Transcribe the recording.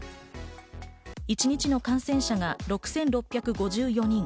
一日の感染者が６６５４人。